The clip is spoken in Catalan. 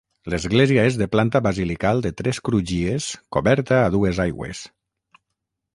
L'església és de planta basilical de tres crugies coberta a dues aigües.